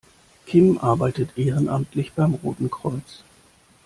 Kim arbeitet ehrenamtlich beim Roten Kreuz.